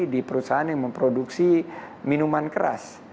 di perusahaan yang memproduksi minuman keras